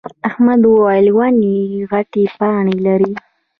احمد وويل: ونې غتې پاڼې لري.